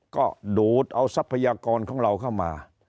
ก็ดูดเอาทรัพยากรของเราเข้ามา